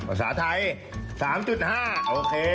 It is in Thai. ภาษาไทย๓๕โอเค